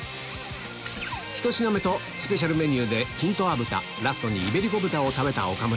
１品目とスペシャルメニューでキントア豚ラストにイベリコ豚を食べた岡村